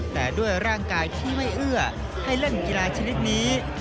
แต่ด้วยร่างกายที่ไม่เอื้อให้เล่นกีฬาชนิดนี้